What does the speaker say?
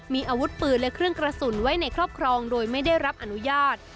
มีอาวุธปืนและเครื่องกระสุนไว้ในครอบครองโดยไม่ได้รับอนุญาต